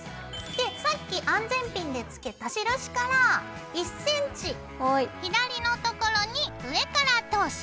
でさっき安全ピンでつけた印から１ｃｍ左のところに上から通す。